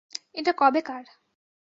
এটা কবেকার?